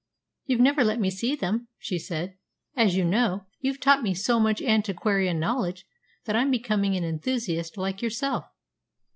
"You've never let me see them," she said. "As you know, you've taught me so much antiquarian knowledge that I'm becoming an enthusiast like yourself."